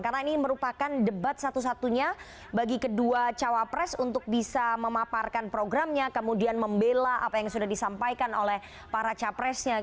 karena ini merupakan debat satu satunya bagi kedua cawapres untuk bisa memaparkan programnya kemudian membela apa yang sudah disampaikan oleh para capresnya